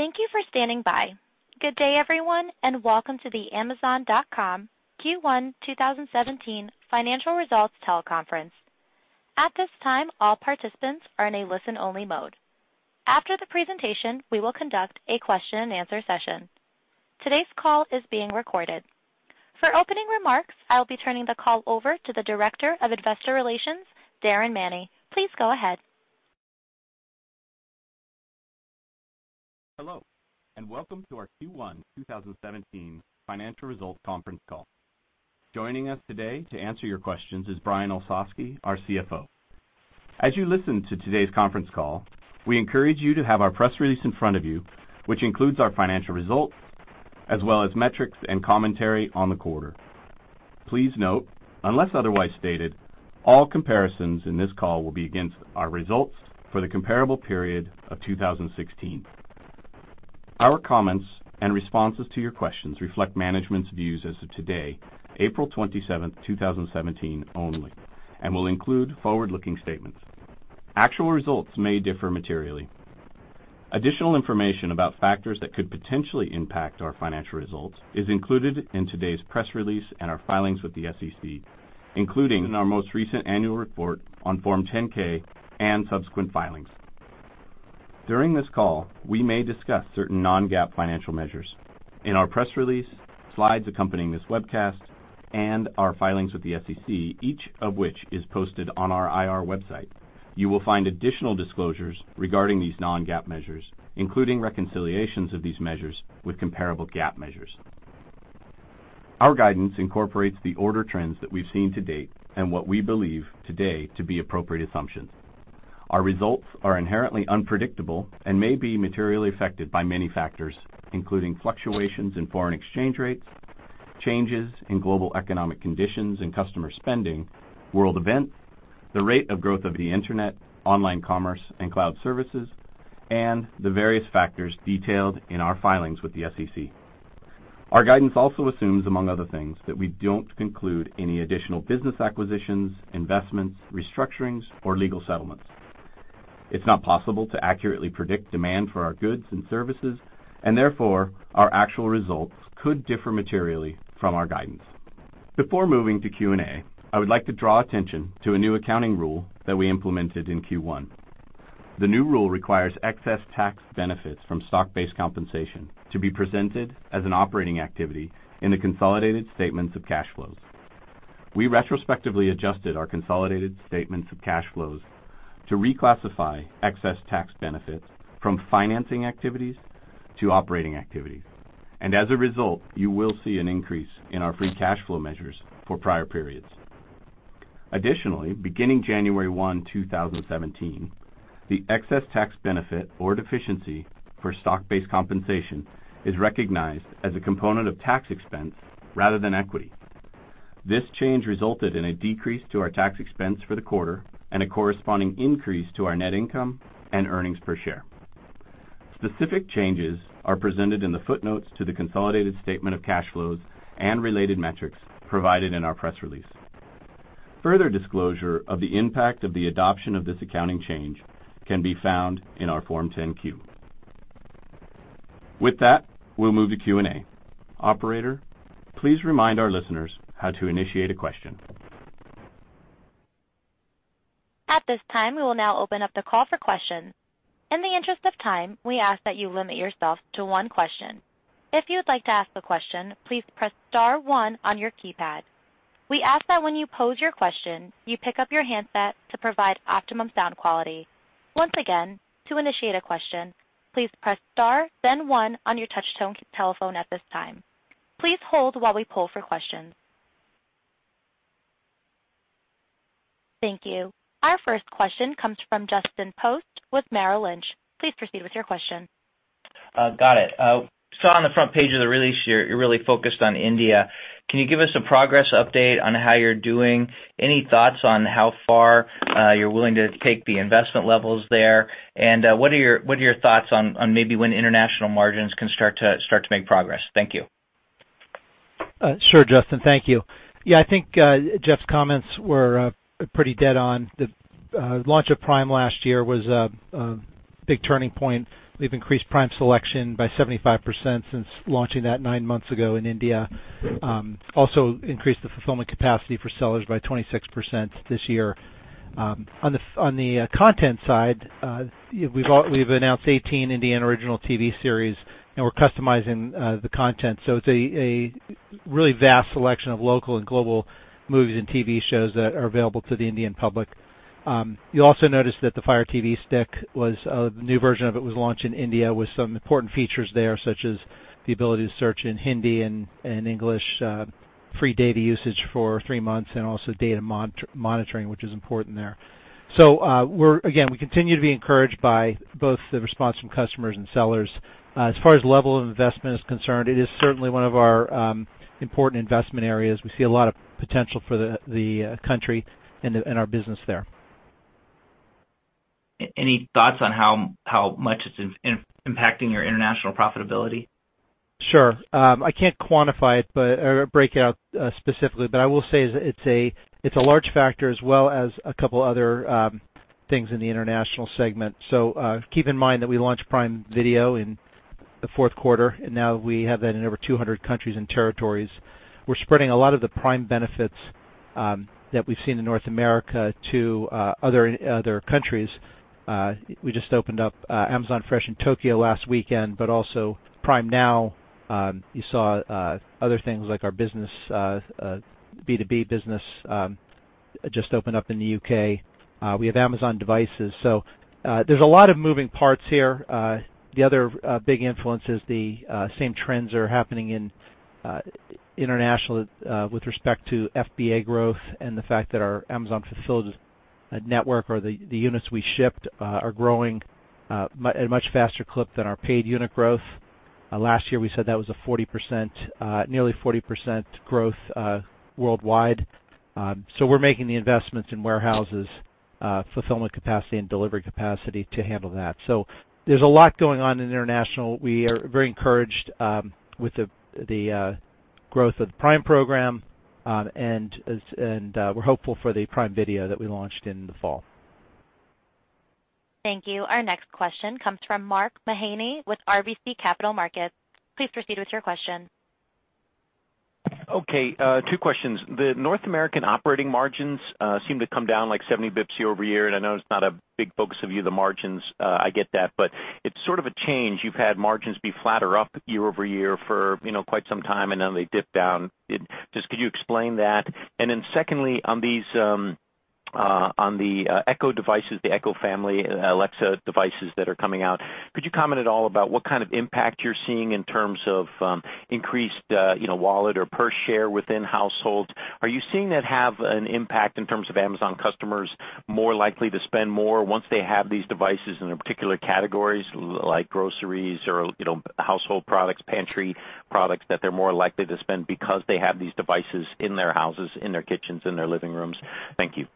Thank you for standing by. Good day, everyone, and welcome to the Amazon.com Q1 2017 financial results teleconference. At this time, all participants are in a listen-only mode. After the presentation, we will conduct a question and answer session. Today's call is being recorded. For opening remarks, I'll be turning the call over to the Director of Investor Relations, Darin Manney. Please go ahead. Hello, welcome to our Q1 2017 financial results conference call. Joining us today to answer your questions is Brian Olsavsky, our CFO. As you listen to today's conference call, we encourage you to have our press release in front of you, which includes our financial results, as well as metrics and commentary on the quarter. Please note, unless otherwise stated, all comparisons in this call will be against our results for the comparable period of 2016. Our comments and responses to your questions reflect management's views as of today, April 27th, 2017, only, and will include forward-looking statements. Actual results may differ materially. Additional information about factors that could potentially impact our financial results is included in today's press release and our filings with the SEC, including in our most recent annual report on Form 10-K and subsequent filings. During this call, we may discuss certain non-GAAP financial measures. In our press release, slides accompanying this webcast, our filings with the SEC, each of which is posted on our IR website, you will find additional disclosures regarding these non-GAAP measures, including reconciliations of these measures with comparable GAAP measures. Our guidance incorporates the order trends that we've seen to date and what we believe today to be appropriate assumptions. Our results are inherently unpredictable and may be materially affected by many factors, including fluctuations in foreign exchange rates, changes in global economic conditions and customer spending, world events, the rate of growth of the internet, online commerce, and cloud services, and the various factors detailed in our filings with the SEC. Our guidance also assumes, among other things, that we don't conclude any additional business acquisitions, investments, restructurings, or legal settlements. It's not possible to accurately predict demand for our goods and services, therefore, our actual results could differ materially from our guidance. Before moving to Q&A, I would like to draw attention to a new accounting rule that we implemented in Q1. The new rule requires excess tax benefits from stock-based compensation to be presented as an operating activity in the consolidated statements of cash flows. We retrospectively adjusted our consolidated statements of cash flows to reclassify excess tax benefits from financing activities to operating activities, as a result, you will see an increase in our free cash flow measures for prior periods. Additionally, beginning January 1, 2017, the excess tax benefit or deficiency for stock-based compensation is recognized as a component of tax expense rather than equity. This change resulted in a decrease to our tax expense for the quarter and a corresponding increase to our net income and earnings per share. Specific changes are presented in the footnotes to the consolidated statement of cash flows and related metrics provided in our press release. Further disclosure of the impact of the adoption of this accounting change can be found in our Form 10-Q. With that, we'll move to Q&A. Operator, please remind our listeners how to initiate a question. At this time, we will now open up the call for questions. In the interest of time, we ask that you limit yourself to one question. If you'd like to ask a question, please press star one on your keypad. We ask that when you pose your question, you pick up your handset to provide optimum sound quality. Once again, to initiate a question, please press star then one on your touchtone telephone at this time. Please hold while we poll for questions. Thank you. Our first question comes from Justin Post with Merrill Lynch. Please proceed with your question. Got it. Saw on the front page of the release you're really focused on India. Can you give us a progress update on how you're doing? Any thoughts on how far you're willing to take the investment levels there? What are your thoughts on maybe when international margins can start to make progress? Thank you. Sure, Justin. Thank you. Yeah, I think Jeff's comments were pretty dead on. The launch of Prime last year was a big turning point. We've increased Prime selection by 75% since launching that nine months ago in India. Also increased the fulfillment capacity for sellers by 26% this year. On the content side, we've announced 18 Indian original TV series, and we're customizing the content, so it's a really vast selection of local and global movies and TV shows that are available to the Indian public. You'll also notice that the Fire TV Stick, a new version of it was launched in India with some important features there, such as the ability to search in Hindi and English, free data usage for three months, and also data monitoring, which is important there. Again, we continue to be encouraged by both the response from customers and sellers. As far as level of investment is concerned, it is certainly one of our important investment areas. We see a lot of potential for the country and our business there. Any thoughts on how much it's impacting your international profitability? Sure. I can't quantify it or break it out specifically, I will say it's a large factor as well as a couple other things in the international segment. Keep in mind that we launched Prime Video in the fourth quarter, now we have that in over 200 countries and territories. We're spreading a lot of the Prime benefits that we've seen in North America to other countries. We just opened up Amazon Fresh in Tokyo last weekend, also Prime Now. You saw other things like our B2B business just opened up in the U.K. We have Amazon devices. There's a lot of moving parts here. The other big influence is the same trends are happening in international with respect to FBA growth and the fact that our Amazon Fulfillment Network or the units we shipped are growing at a much faster clip than our paid unit growth. Last year, we said that was nearly 40% growth worldwide. We're making the investments in warehouses, fulfillment capacity, and delivery capacity to handle that. There's a lot going on in international. We are very encouraged with the growth of the Prime program, we're hopeful for the Prime Video that we launched in the fall. Thank you. Our next question comes from Mark Mahaney with RBC Capital Markets. Please proceed with your question. Okay, two questions. The North American operating margins seem to come down like 70 basis points year-over-year. I know it's not a big focus of you, the margins, I get that, but it's sort of a change. You've had margins be flat or up year-over-year for quite some time, and now they dip down. Just could you explain that? Secondly, on the Echo devices, the Echo family, Alexa devices that are coming out, could you comment at all about what kind of impact you're seeing in terms of increased wallet or per share within households? Are you seeing that have an impact in terms of Amazon customers more likely to spend more once they have these devices in particular categories like groceries or household products, pantry products that they're more likely to spend because they have these devices in their houses, in their kitchens, in their living rooms? Thank you.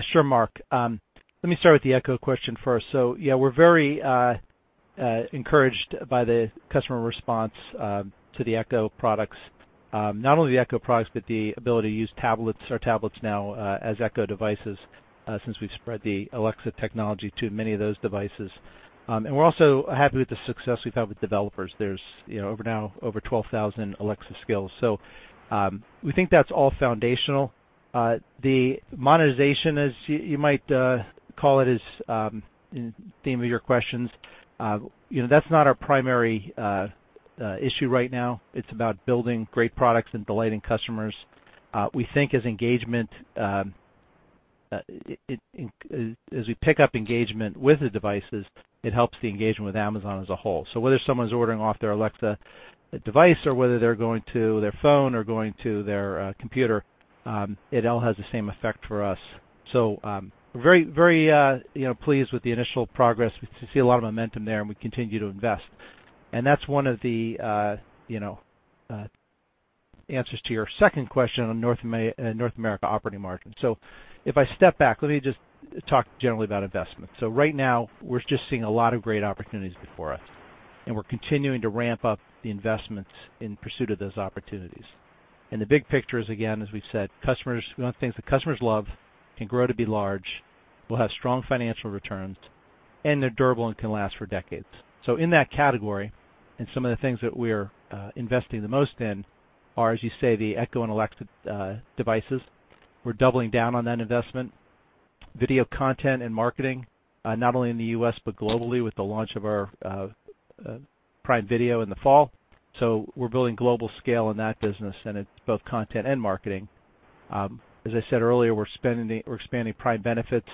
Sure, Mark. Let me start with the Echo question first. Yeah, we're very encouraged by the customer response to the Echo products. Not only the Echo products, but the ability to use our tablets now as Echo devices, since we've spread the Alexa technology to many of those devices. We're also happy with the success we've had with developers. There's now over 12,000 Alexa skills. We think that's all foundational. The monetization, as you might call it, is in theme of your questions, that's not our primary issue right now. It's about building great products and delighting customers. We think as we pick up engagement with the devices, it helps the engagement with Amazon as a whole. Whether someone's ordering off their Alexa device or whether they're going to their phone or going to their computer, it all has the same effect for us. We're very pleased with the initial progress. We see a lot of momentum there, and we continue to invest. That's one of the answers to your second question on North America operating margin. If I step back, let me just talk generally about investment. Right now, we're just seeing a lot of great opportunities before us, and we're continuing to ramp up the investments in pursuit of those opportunities. The big picture is, again, as we've said, we want things that customers love, can grow to be large, will have strong financial returns, and they're durable and can last for decades. In that category, and some of the things that we're investing the most in are, as you say, the Echo and Alexa devices. We're doubling down on that investment. Video content and marketing, not only in the U.S. but globally with the launch of our Prime Video in the fall. We're building global scale in that business, and it's both content and marketing. As I said earlier, we're expanding Prime benefits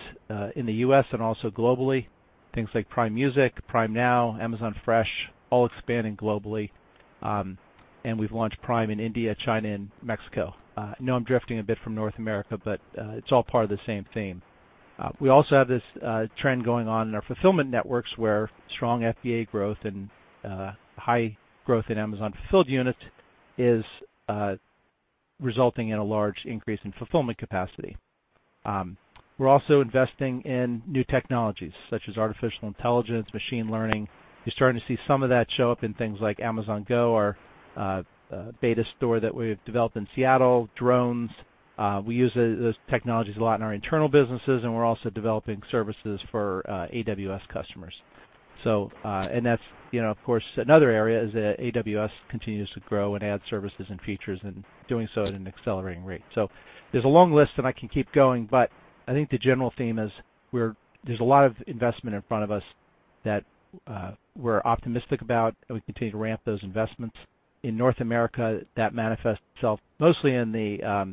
in the U.S. and also globally. Things like Prime Music, Prime Now, Amazon Fresh, all expanding globally. We've launched Prime in India, China, and Mexico. I know I'm drifting a bit from North America, but it's all part of the same theme. We also have this trend going on in our Amazon Fulfillment Network where strong FBA growth and high growth in Amazon fulfilled units is resulting in a large increase in fulfillment capacity. We're also investing in new technologies such as artificial intelligence, machine learning. You're starting to see some of that show up in things like Amazon Go, our beta store that we've developed in Seattle, drones. We use those technologies a lot in our internal businesses, and we're also developing services for AWS customers. That's of course, another area is that AWS continues to grow and add services and features, and doing so at an accelerating rate. There's a long list, and I can keep going, but I think the general theme is there's a lot of investment in front of us that we're optimistic about, and we continue to ramp those investments. In North America, that manifests itself mostly in the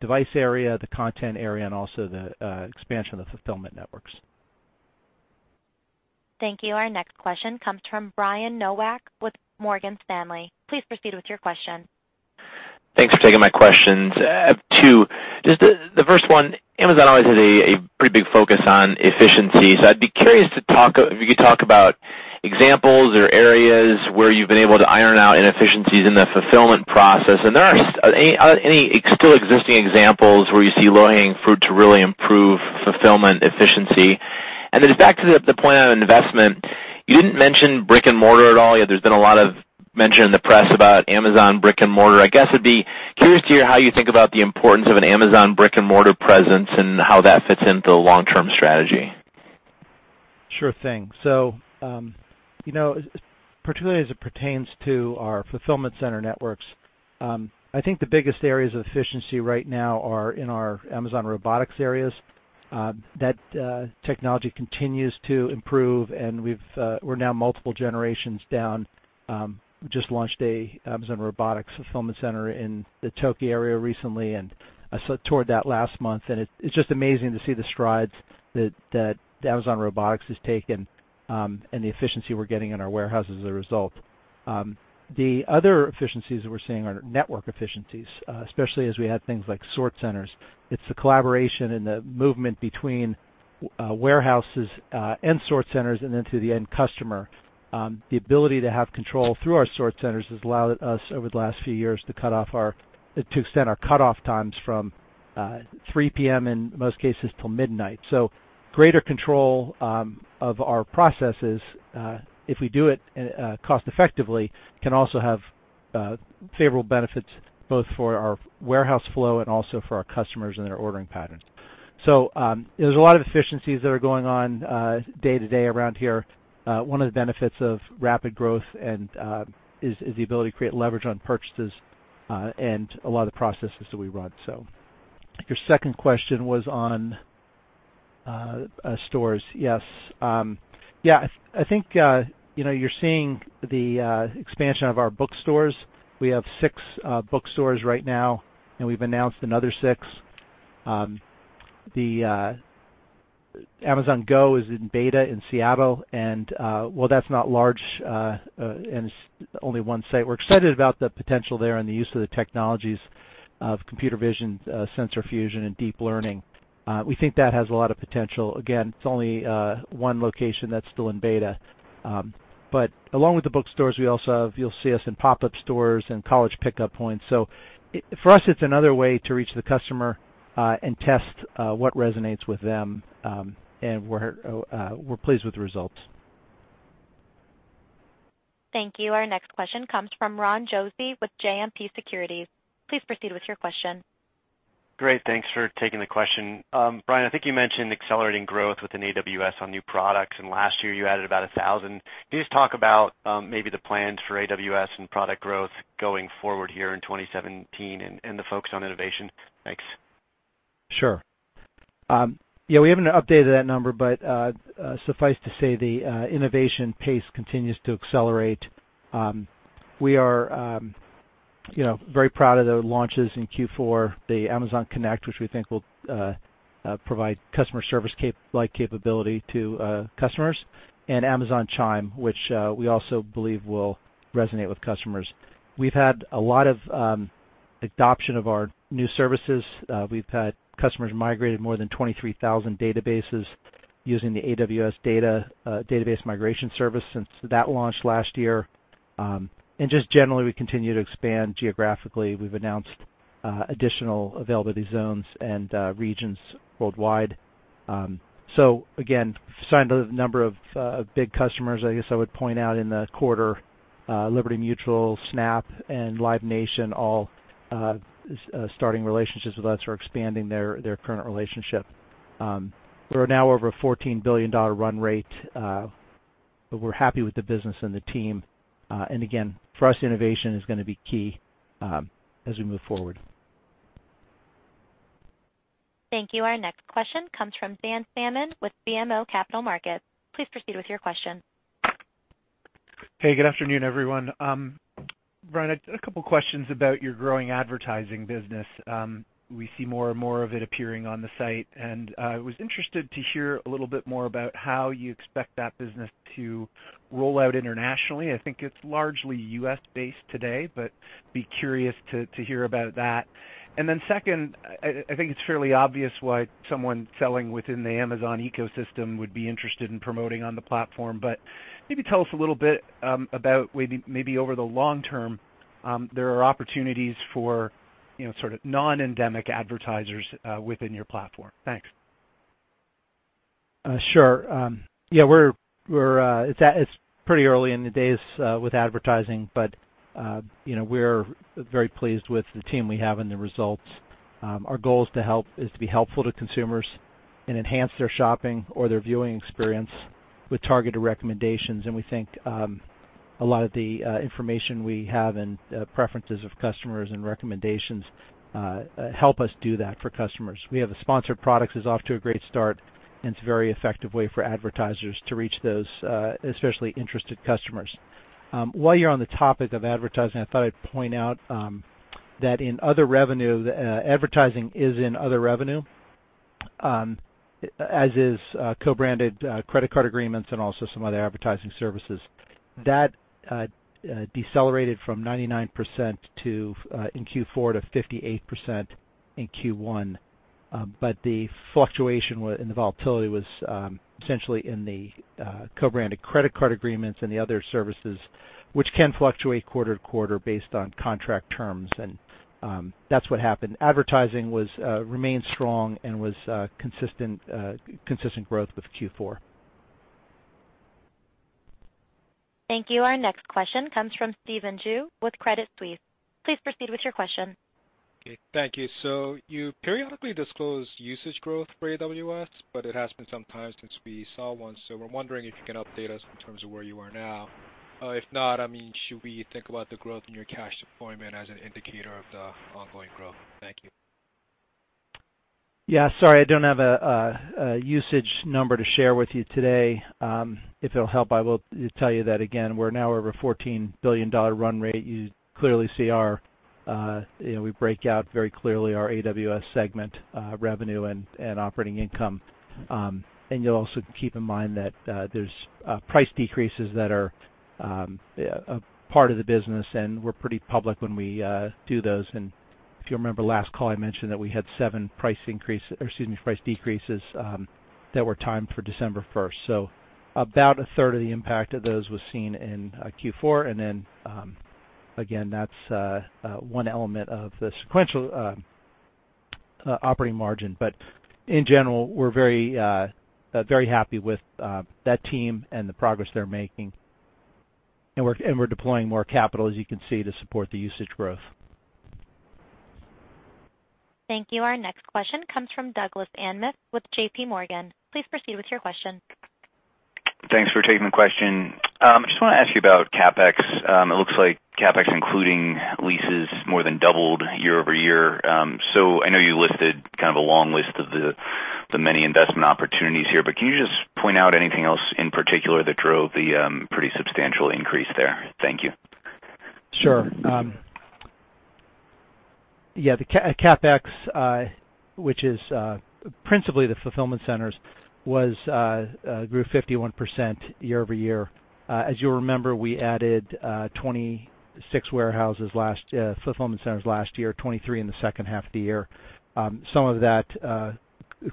device area, the content area, and also the expansion of the Amazon Fulfillment Network. Thank you. Our next question comes from Brian Nowak with Morgan Stanley. Please proceed with your question. Thanks for taking my questions. Two. The first one, Amazon always has a pretty big focus on efficiency. I'd be curious if you could talk about examples or areas where you've been able to iron out inefficiencies in the fulfillment process, and are any still existing examples where you see low-hanging fruit to really improve fulfillment efficiency? Back to the point on investment You didn't mention brick and mortar at all, yet there's been a lot of mention in the press about Amazon brick and mortar. I guess it'd be curious to hear how you think about the importance of an Amazon brick and mortar presence and how that fits into the long-term strategy. Sure thing. Particularly as it pertains to our fulfillment center networks, I think the biggest areas of efficiency right now are in our Amazon Robotics areas. That technology continues to improve, and we're now multiple generations down. We just launched an Amazon Robotics fulfillment center in the Tokyo area recently, and I saw toward that last month, and it's just amazing to see the strides that Amazon Robotics has taken, and the efficiency we're getting in our warehouse as a result. The other efficiencies that we're seeing are network efficiencies, especially as we add things like sort centers. It's the collaboration and the movement between warehouses, and sort centers, and then to the end customer. The ability to have control through our sort centers has allowed us, over the last few years, to extend our cutoff times from 3:00 P.M., in most cases, till midnight. Greater control of our processes, if we do it cost effectively, can also have favorable benefits both for our warehouse flow and also for our customers and their ordering patterns. There's a lot of efficiencies that are going on day-to-day around here. One of the benefits of rapid growth is the ability to create leverage on purchases, and a lot of the processes that we run. Your second question was on stores. Yes. I think you're seeing the expansion of our bookstores. We have six bookstores right now, and we've announced another six. The Amazon Go is in beta in Seattle, and while that's not large, and it's only one site, we're excited about the potential there and the use of the technologies of computer vision, sensor fusion, and deep learning. We think that has a lot of potential. Again, it's only one location that's still in beta. Along with the bookstores, you'll see us in pop-up stores and college pickup points. For us, it's another way to reach the customer, and test what resonates with them. We're pleased with the results. Thank you. Our next question comes from Ronald Josey with JMP Securities. Please proceed with your question. Great. Thanks for taking the question. Brian, I think you mentioned accelerating growth within AWS on new products. Last year you added about 1,000. Can you just talk about maybe the plans for AWS and product growth going forward here in 2017, the focus on innovation? Thanks. Sure. We haven't updated that number. Suffice to say, the innovation pace continues to accelerate. We are very proud of the launches in Q4, the Amazon Connect, which we think will provide customer service-like capability to customers, Amazon Chime, which we also believe will resonate with customers. We've had a lot of adoption of our new services. We've had customers migrate more than 23,000 databases using the AWS Database Migration Service since that launched last year. Just generally, we continue to expand geographically. We've announced additional availability zones and regions worldwide. Again, signed a number of big customers, I guess I would point out in the quarter, Liberty Mutual, Snap, and Live Nation all starting relationships with us or expanding their current relationship. We're now over a $14 billion run rate. We're happy with the business and the team. Again, for us, innovation is going to be key as we move forward. Thank you. Our next question comes from Dan Salmon with BMO Capital Markets. Please proceed with your question. Hey, good afternoon, everyone. Brian, a couple questions about your growing advertising business. We see more and more of it appearing on the site. I was interested to hear a little bit more about how you expect that business to roll out internationally. I think it's largely U.S.-based today, but be curious to hear about that. Second, I think it's fairly obvious why someone selling within the Amazon ecosystem would be interested in promoting on the platform. Maybe tell us a little bit about maybe over the long term, there are opportunities for sort of non-endemic advertisers within your platform. Thanks. Sure. It's pretty early in the days with advertising. We're very pleased with the team we have and the results. Our goal is to be helpful to consumers, enhance their shopping or their viewing experience with targeted recommendations. We think a lot of the information we have and preferences of customers and recommendations help us do that for customers. We have the Sponsored Products is off to a great start. It's a very effective way for advertisers to reach those especially interested customers. While you're on the topic of advertising, I thought I'd point out that advertising is in other revenue, as is co-branded credit card agreements and also some other advertising services. That decelerated from 99% in Q4 to 58% in Q1. The fluctuation and the volatility was essentially in the co-branded credit card agreements and the other services, which can fluctuate quarter to quarter based on contract terms. That's what happened. Advertising remains strong, was consistent growth with Q4. Thank you. Our next question comes from Stephen Ju with Credit Suisse. Please proceed with your question. Okay. Thank you. You periodically disclose usage growth for AWS, but it has been some time since we saw one. We're wondering if you can update us in terms of where you are now. If not, should we think about the growth in your cash deployment as an indicator of the ongoing growth? Thank you. Sorry, I don't have a usage number to share with you today. If it'll help, I will tell you that again, we're now over $14 billion run rate. You clearly see we break out very clearly our AWS segment, revenue and operating income. You'll also keep in mind that there's price decreases that are part of the business, and we're pretty public when we do those. If you remember last call, I mentioned that we had seven price decreases that were timed for December 1st. About a third of the impact of those was seen in Q4, and then again, that's one element of the sequential operating margin. In general, we're very happy with that team and the progress they're making, and we're deploying more capital, as you can see, to support the usage growth. Thank you. Our next question comes from Doug Anmuth with JPMorgan. Please proceed with your question. Thanks for taking the question. I just want to ask you about CapEx. It looks like CapEx, including leases, more than doubled year-over-year. I know you listed kind of a long list of the many investment opportunities here, but can you just point out anything else in particular that drove the pretty substantial increase there? Thank you. Sure. Yeah. The CapEx, which is principally the fulfillment centers, grew 51% year-over-year. As you'll remember, we added 26 warehouses, fulfillment centers last year, 23 in the second half of the year. Some of that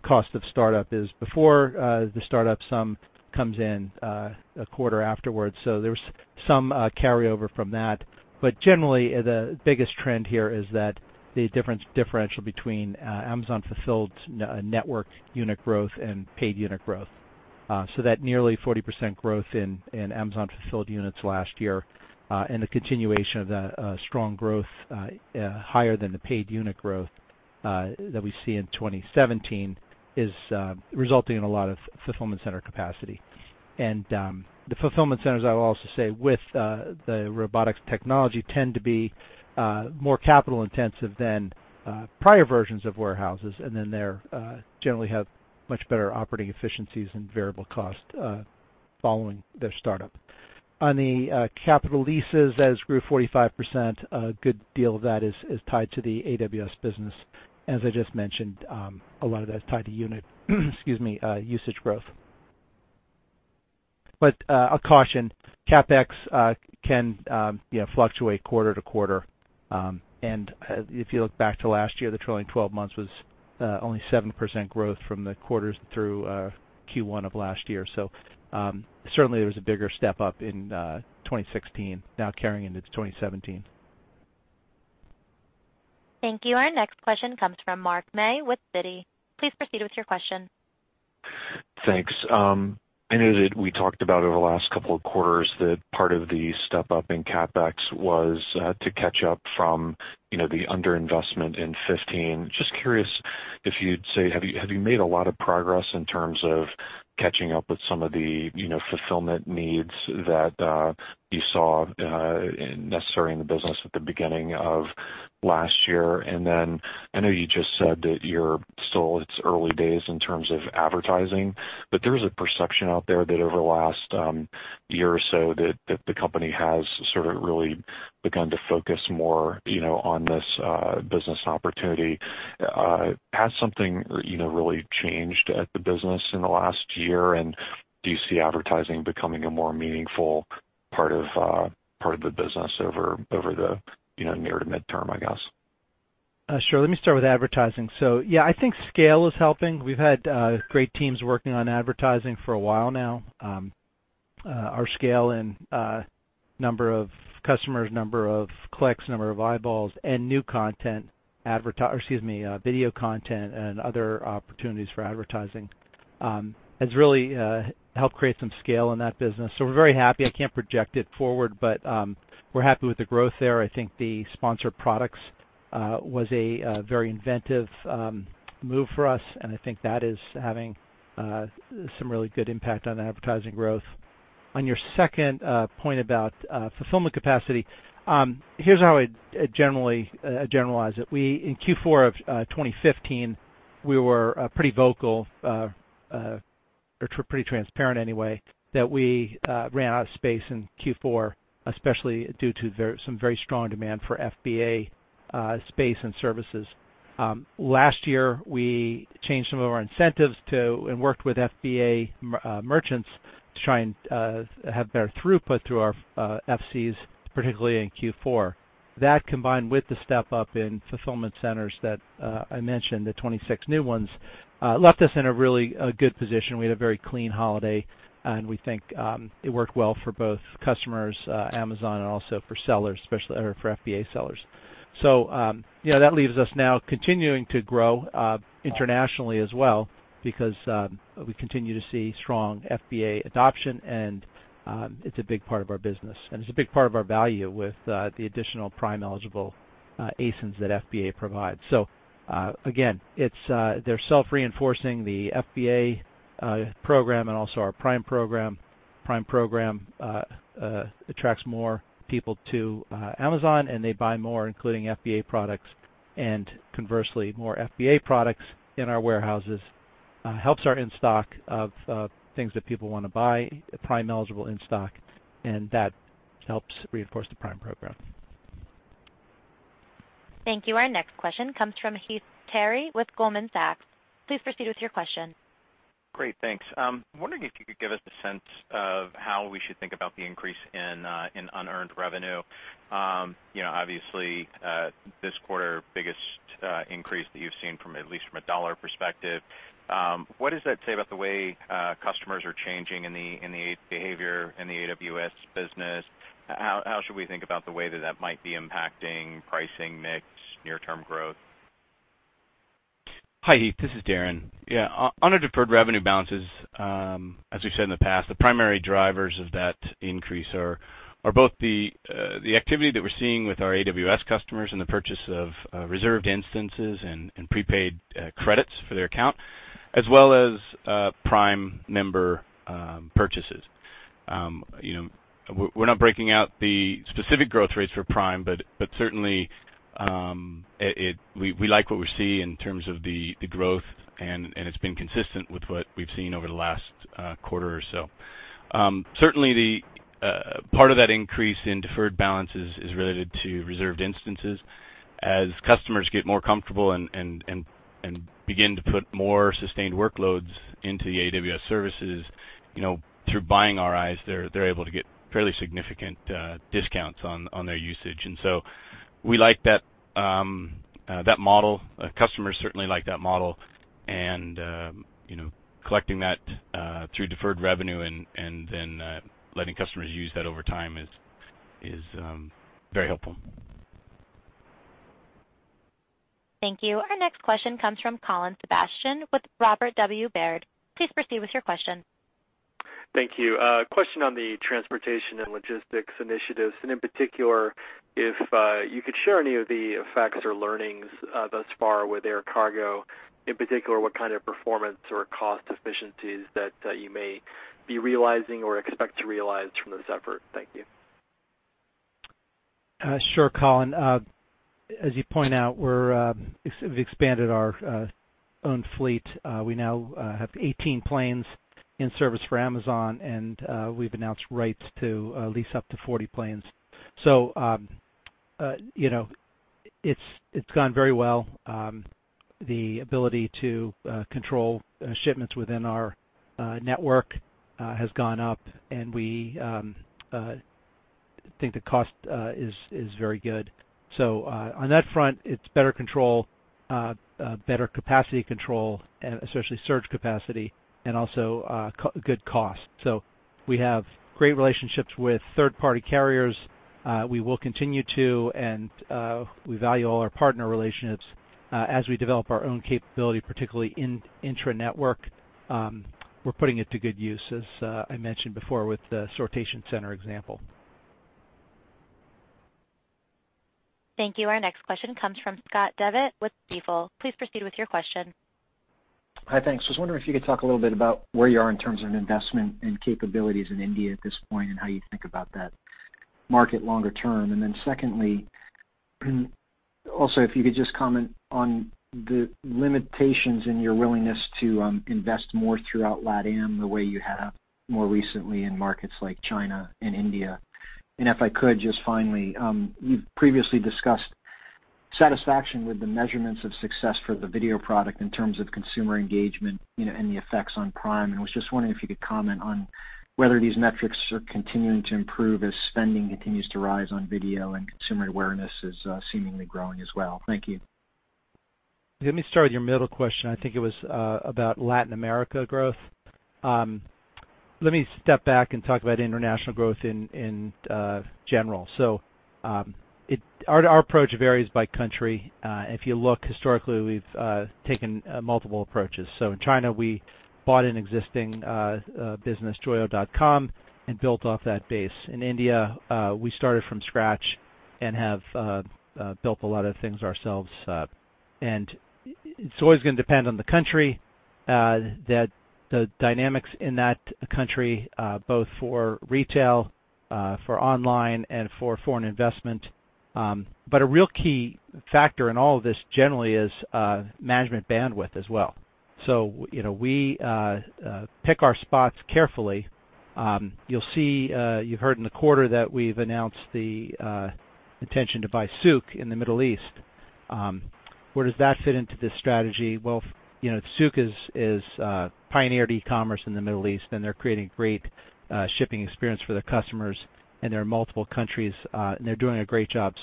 cost of startup is before the startup, some comes in a quarter afterwards. There was some carryover from that. Generally, the biggest trend here is that the differential between Amazon fulfilled network unit growth and paid unit growth. That nearly 40% growth in Amazon fulfilled units last year, and the continuation of the strong growth higher than the paid unit growth that we see in 2017 is resulting in a lot of fulfillment center capacity. The fulfillment centers, I will also say, with the robotics technology, tend to be more capital-intensive than prior versions of warehouses, and then they generally have much better operating efficiencies and variable cost following their startup. On the capital leases, that grew 45%, a good deal of that is tied to the AWS business. As I just mentioned, a lot of that is tied to unit usage growth. A caution, CapEx can fluctuate quarter-to-quarter. If you look back to last year, the trailing 12 months was only 7% growth from the quarters through Q1 of last year. Certainly, there was a bigger step-up in 2016, now carrying into 2017. Thank you. Our next question comes from Mark May with Citi. Please proceed with your question. Thanks. I know that we talked about over the last couple of quarters that part of the step-up in CapEx was to catch up from the underinvestment in 2015. Just curious if you'd say, have you made a lot of progress in terms of catching up with some of the fulfillment needs that you saw necessary in the business at the beginning of last year? I know you just said that you're still, it's early days in terms of advertising, but there is a perception out there that over the last year or so that the company has sort of really begun to focus more on this business opportunity. Has something really changed at the business in the last year? Do you see advertising becoming a more meaningful part of the business over the near to midterm, I guess? Sure. Let me start with advertising. Yeah, I think scale is helping. We've had great teams working on advertising for a while now. Our scale in number of customers, number of clicks, number of eyeballs, and new content, video content, and other opportunities for advertising has really helped create some scale in that business. We're very happy. I can't project it forward, but we're happy with the growth there. I think the Sponsored Products was a very inventive move for us, and I think that is having some really good impact on advertising growth. On your second point about fulfillment capacity, here's how I'd generalize it. In Q4 of 2015, we were pretty vocal, or pretty transparent anyway, that we ran out of space in Q4, especially due to some very strong demand for FBA space and services. Last year, we changed some of our incentives too, and worked with FBA merchants to try and have better throughput through our FCs, particularly in Q4. That, combined with the step-up in fulfillment centers that I mentioned, the 26 new ones, left us in a really good position. We had a very clean holiday, and we think it worked well for both customers, Amazon, and also for sellers, especially for FBA sellers. Yeah, that leaves us now continuing to grow internationally as well because we continue to see strong FBA adoption, and it's a big part of our business, and it's a big part of our value with the additional Prime eligible ASINs that FBA provides. Again, they're self-reinforcing the FBA program and also our Prime program. Prime program attracts more people to Amazon, they buy more, including FBA products, conversely, more FBA products in our warehouses helps our in-stock of things that people want to buy, Prime-eligible in-stock, that helps reinforce the Prime program. Thank you. Our next question comes from Heath Terry with Goldman Sachs. Please proceed with your question. Great. Thanks. I'm wondering if you could give us a sense of how we should think about the increase in unearned revenue. Obviously, this quarter, biggest increase that you've seen at least from a dollar perspective. What does that say about the way customers are changing in the behavior in the AWS business? How should we think about the way that that might be impacting pricing mix, near-term growth? Hi, Heath. This is Darin. Yeah, unearned deferred revenue balances, as we've said in the past, the primary drivers of that increase are both the activity that we're seeing with our AWS customers in the purchase of Reserved Instances and prepaid credits for their account, as well as Prime member purchases. We're not breaking out the specific growth rates for Prime, but certainly, we like what we're seeing in terms of the growth, and it's been consistent with what we've seen over the last quarter or so. Certainly, part of that increase in deferred balances is related to Reserved Instances. As customers get more comfortable and begin to put more sustained workloads into the AWS services, through buying RIs, they're able to get fairly significant discounts on their usage. We like that model. Customers certainly like that model, collecting that through deferred revenue and then letting customers use that over time is very helpful. Thank you. Our next question comes from Colin Sebastian with Robert W. Baird. Please proceed with your question. Thank you. A question on the transportation and logistics initiatives. In particular, if you could share any of the effects or learnings thus far with Air Cargo, in particular, what kind of performance or cost efficiencies that you may be realizing or expect to realize from this effort. Thank you. Sure, Colin. As you point out, we've expanded our own fleet. We now have 18 planes in service for Amazon. We've announced rights to lease up to 40 planes. It's gone very well. The ability to control shipments within our network has gone up. We think the cost is very good. On that front, it's better control, better capacity control, especially surge capacity. Also good cost. We have great relationships with third-party carriers. We will continue to. We value all our partner relationships as we develop our own capability, particularly intra-network. We're putting it to good use, as I mentioned before, with the sortation center example. Thank you. Our next question comes from Scott Devitt with Stifel. Please proceed with your question. Hi, thanks. I was wondering if you could talk a little bit about where you are in terms of investment and capabilities in India at this point and how you think about that market longer term. Secondly, also, if you could just comment on the limitations in your willingness to invest more throughout LATAM the way you have more recently in markets like China and India. If I could, just finally, you've previously discussed satisfaction with the measurements of success for the video product in terms of consumer engagement and the effects on Prime, and was just wondering if you could comment on whether these metrics are continuing to improve as spending continues to rise on video and consumer awareness is seemingly growing as well. Thank you. Let me start with your middle question. I think it was about Latin America growth. Let me step back and talk about international growth in general. Our approach varies by country. If you look historically, we've taken multiple approaches. In China, we bought an existing business, Joyo.com, and built off that base. In India, we started from scratch and have built a lot of things ourselves. It's always going to depend on the country, the dynamics in that country both for retail, for online, and for foreign investment. A real key factor in all of this generally is management bandwidth as well. We pick our spots carefully. You've heard in the quarter that we've announced the intention to buy Souq.com in the Middle East. Where does that fit into this strategy? Souq.com has pioneered e-commerce in the Middle East, and they're creating great shipping experience for their customers in their multiple countries, and they're doing a great job.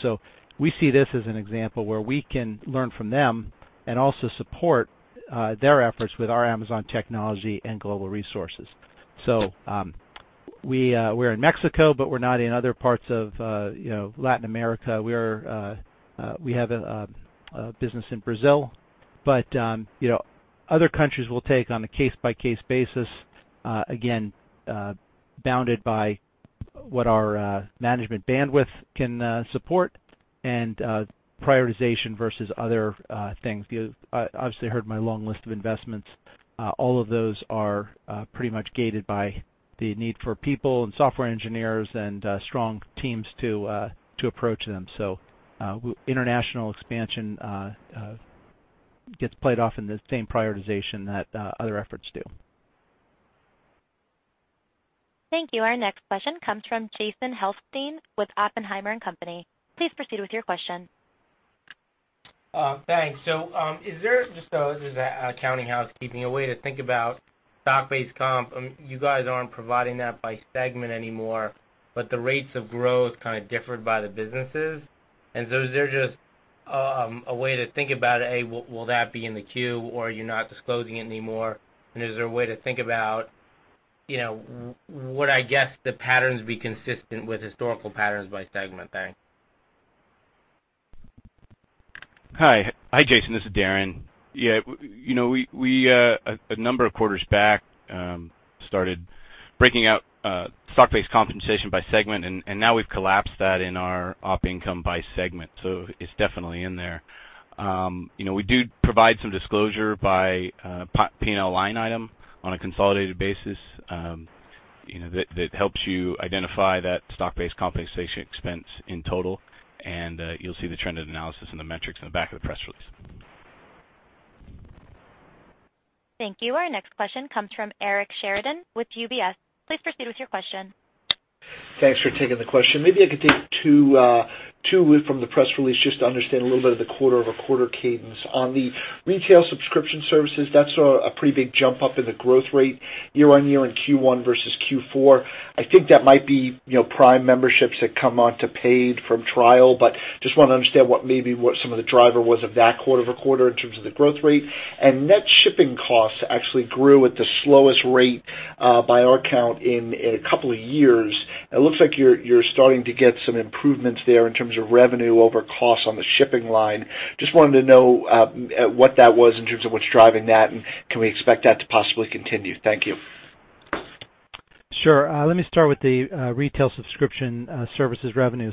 We see this as an example where we can learn from them and also support their efforts with our Amazon technology and global resources. We're in Mexico, but we're not in other parts of Latin America. We have a business in Brazil. Other countries we'll take on a case-by-case basis, again, bounded by what our management bandwidth can support and prioritization versus other things. You obviously heard my long list of investments. All of those are pretty much gated by the need for people and software engineers and strong teams to approach them. International expansion gets played off in the same prioritization that other efforts do. Thank you. Our next question comes from Jason Helfstein with Oppenheimer & Company. Please proceed with your question. Thanks. Is there, just as an accounting housekeeping, a way to think about stock-based comp? You guys aren't providing that by segment anymore, but the rates of growth kind of differed by the businesses. Is there just a way to think about, A, will that be in the Form 10-Q or you're not disclosing it anymore? Is there a way to think about would, I guess, the patterns be consistent with historical patterns by segment? Thanks. Hi, Jason, this is Darin. A number of quarters back, started breaking out stock-based compensation by segment, and now we've collapsed that in our op income by segment. It's definitely in there. We do provide some disclosure by P&L line item on a consolidated basis that helps you identify that stock-based compensation expense in total, and you'll see the trend of the analysis and the metrics in the back of the press release. Thank you. Our next question comes from Eric Sheridan with UBS. Please proceed with your question. Thanks for taking the question. Maybe I could take two from the press release just to understand a little bit of the quarter-over-quarter cadence. On the retail subscription services, that saw a pretty big jump up in the growth rate year-on-year in Q1 versus Q4. I think that might be Prime memberships that come onto paid from trial, but just want to understand what maybe what some of the driver was of that quarter-over-quarter in terms of the growth rate. Net shipping costs actually grew at the slowest rate, by our count, in a couple of years. It looks like you're starting to get some improvements there in terms of revenue over costs on the shipping line. Just wanted to know what that was in terms of what's driving that, and can we expect that to possibly continue? Thank you. Let me start with the retail subscription services revenue.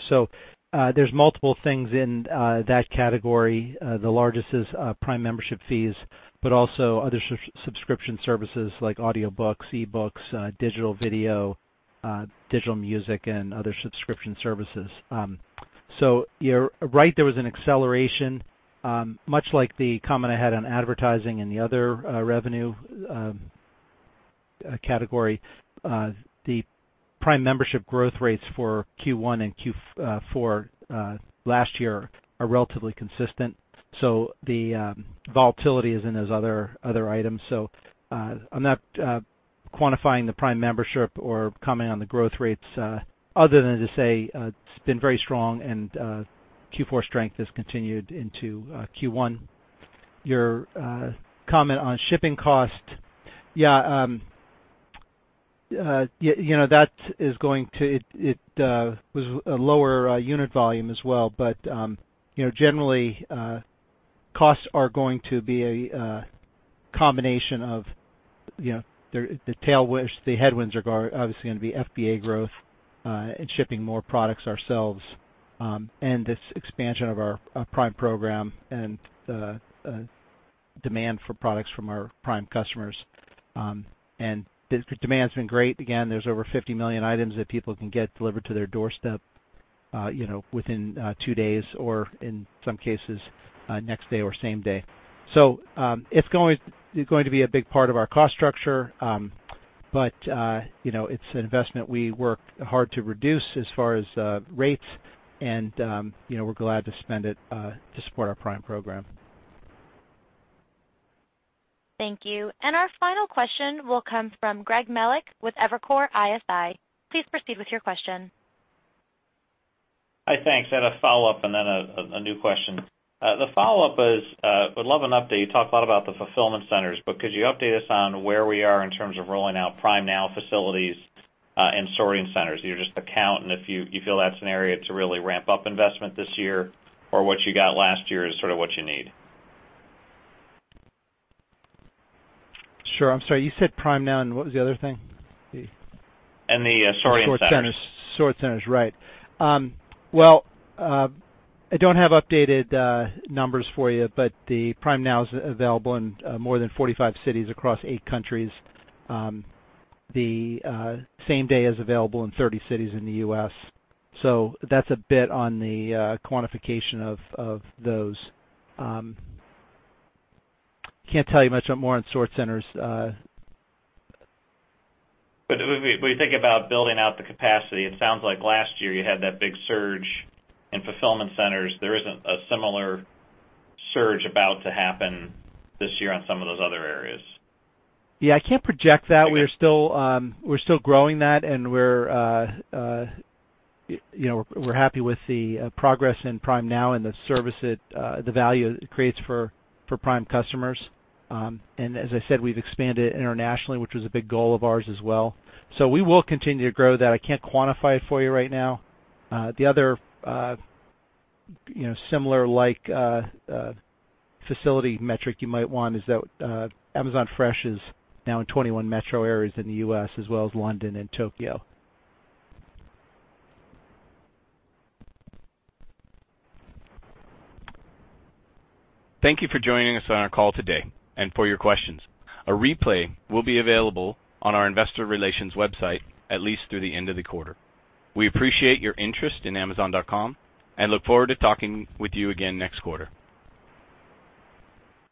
There's multiple things in that category. The largest is Prime membership fees, but also other subscription services like audiobooks, e-books, digital video, digital music, and other subscription services. You're right, there was an acceleration, much like the comment I had on advertising and the other revenue category. The Prime membership growth rates for Q1 and Q4 last year are relatively consistent. The volatility is in those other items. I'm not quantifying the Prime membership or commenting on the growth rates other than to say it's been very strong and Q4 strength has continued into Q1. Your comment on shipping cost, yeah, it was a lower unit volume as well, but generally, costs are going to be a combination of the headwinds are obviously going to be FBA growth and shipping more products ourselves, and this expansion of our Prime program and demand for products from our Prime customers. The demand's been great. Again, there's over 50 million items that people can get delivered to their doorstep within two days or, in some cases, next day or same day. It's going to be a big part of our cost structure, but it's an investment we work hard to reduce as far as rates, and we're glad to spend it to support our Prime program. Thank you. Our final question will come from Greg Melich with Evercore ISI. Please proceed with your question. Hi, thanks. I had a follow-up and then a new question. The follow-up is, I would love an update. You talked a lot about the fulfillment centers, but could you update us on where we are in terms of rolling out Prime Now facilities and sorting centers? You just account, and if you feel that's an area to really ramp up investment this year or what you got last year is sort of what you need. Sure. I'm sorry, you said Prime Now, and what was the other thing? The sorting centers. Sort centers. Right. Well, I don't have updated numbers for you, but Prime Now is available in more than 45 cities across eight countries. The same day is available in 30 cities in the U.S. That's a bit on the quantification of those. Can't tell you much more on sort centers. When you think about building out the capacity, it sounds like last year you had that big surge in fulfillment centers. There isn't a similar surge about to happen this year on some of those other areas. Yeah, I can't project that. We're still growing that, and we're happy with the progress in Prime Now and the service it, the value it creates for Prime customers. As I said, we've expanded internationally, which was a big goal of ours as well. We will continue to grow that. I can't quantify it for you right now. The other similar-like facility metric you might want is that Amazon Fresh is now in 21 metro areas in the U.S., as well as London and Tokyo. Thank you for joining us on our call today and for your questions. A replay will be available on our investor relations website at least through the end of the quarter. We appreciate your interest in Amazon.com and look forward to talking with you again next quarter.